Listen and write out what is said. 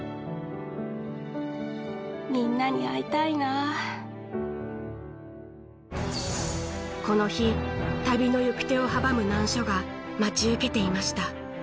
・さぁ夕食の時間だ・この日旅の行く手を阻む難所が待ち受けていました。